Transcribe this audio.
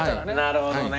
なるほどね。